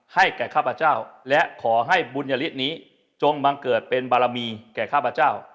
แก่ข้าพเจ้าและขอให้บุญยฤทธิ์นี้จงบังเกิดเป็นบารมีแก่ข้าพเจ้า